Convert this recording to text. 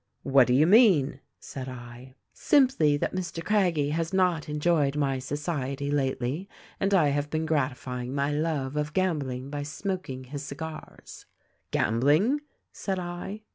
" 'What do you mean?' said I. " 'Simply that Mr. Craggie has not enjoyed my society lately, and I have been gratifying my love of gambling by smoking his cigars.' "'Gambling?' said I.